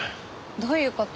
どういう事？